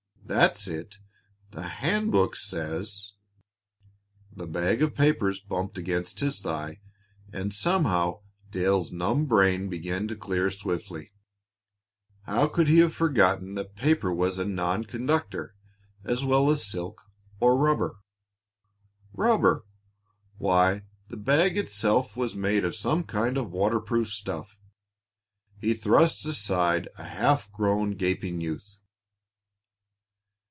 "That's it! The handbook says " The bag of papers bumped against his thigh, and somehow Dale's numbed brain began to clear swiftly. How could he have forgotten that paper was a non conductor as well as silk or rubber? Rubber! Why, the bag itself was made of some kind of waterproof stuff. He thrust aside a half grown, gaping youth.